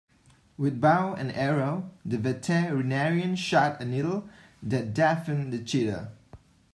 With bow and arrow the veterinarian shot a needle that deafened the cheetah.